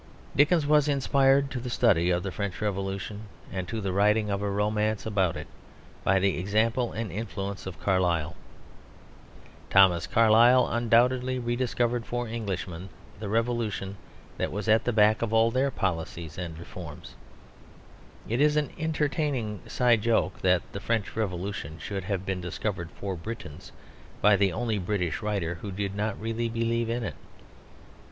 Dickens was inspired to the study of the French Revolution and to the writing of a romance about it by the example and influence of Carlyle. Thomas Carlyle undoubtedly rediscovered for Englishmen the revolution that was at the back of all their policies and reforms. It is an entertaining side joke that the French Revolution should have been discovered for Britons by the only British writer who did not really believe in it.